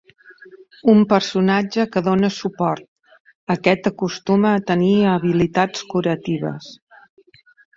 Un personatge que dóna suport, aquest acostuma a tenir habilitats curatives.